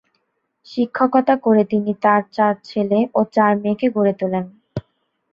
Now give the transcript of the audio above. শিক্ষকতা করে তিনি তাঁর চার ছেলে ও চার মেয়েকে গড়ে তোলেন।